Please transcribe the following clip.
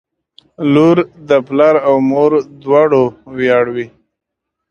• لور د پلار او مور دواړو ویاړ وي.